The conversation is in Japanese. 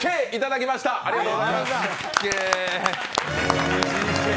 りありがとうございます。